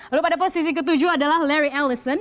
lalu pada posisi ketujuh adalah larry ellison